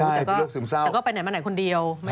แต่ก็ไปไหนมาไหนคนเดียว